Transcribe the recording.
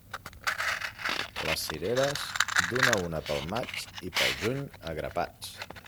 Les cireres, d'una a una pel maig, i pel juny, a grapats.